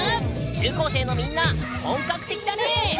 中高生のみんな本格的だね！